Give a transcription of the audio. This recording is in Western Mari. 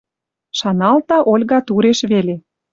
Шаналта Ольга туреш веле: